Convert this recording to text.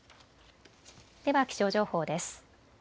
では気象情報です。